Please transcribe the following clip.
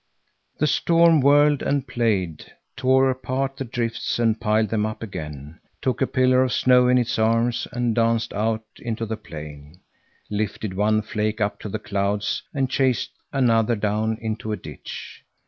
The storm whirled and played, tore apart the drifts and piled them up again, took a pillar of snow in its arms and danced out into the plain, lifted one flake up to the clouds and chased another down into a ditch.